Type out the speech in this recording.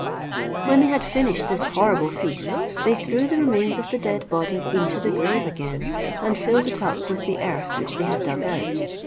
When they had finished this horrible feast, they threw the remains of the dead body into the grave again, and filled it up with the earth which they had dug out.